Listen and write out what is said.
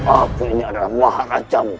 aku ini adalah maharaja